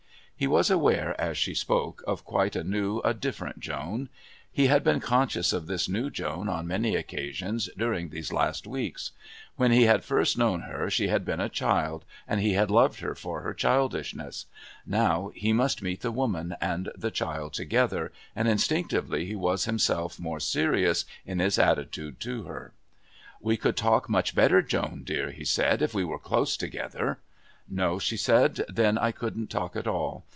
He was aware, as she spoke, of quite a new, a different Joan; he had been conscious of this new Joan on many occasions during these last weeks. When he had first known her she had been a child and he had loved her for her childishness; now he must meet the woman and the child together, and instinctively he was himself more serious in his attitude to her. "We could talk much better, Joan dear," he said, "if we were close together." "No," she said; "then I couldn't talk at all.